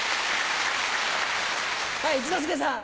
はい一之輔さん。